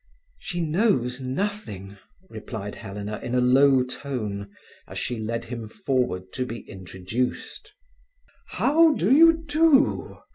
"She knows nothing," replied Helena in a low tone, as she led him forward to be introduced. "How do you do?"